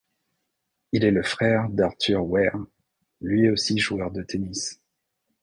Il est le frère d'Arthur Wear, lui aussi joueur de tennis.